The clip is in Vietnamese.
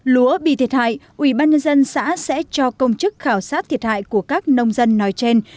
lúa bị thiệt hại ủy ban dân xã sẽ cho công chức khảo sát thiệt hại của các nông dân nói trên